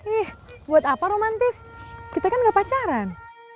ih buat apa romantis kita kan gak pacaran